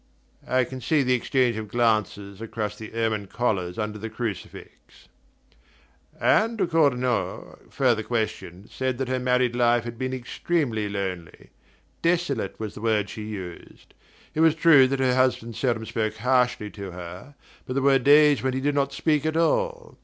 I can see the exchange of glances across the ermine collars under the Crucifix. Anne de Cornault, further questioned, said that her married life had been extremely lonely: "desolate" was the word she used. It was true that her husband seldom spoke harshly to her; but there were days when he did not speak at all.